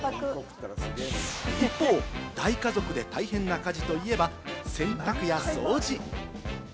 一方、大家族で大変な家事といえば、洗濯や掃除。